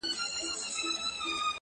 چي ماڼۍ د فرعونانو وه ولاړه -